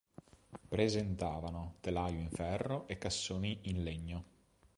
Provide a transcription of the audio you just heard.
Presentavano telaio in ferro e cassoni in legno.